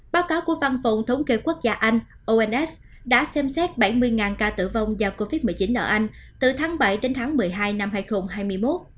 báo cáo của văn phòng thống kê quốc gia anh ons đã xem xét bảy mươi ca tử vong do covid một mươi chín ở anh từ tháng bảy đến tháng một mươi hai năm hai nghìn hai mươi một